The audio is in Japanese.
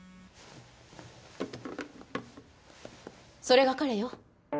それが彼よ。